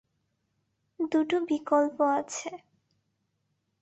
দুটো বিকল্প আছে।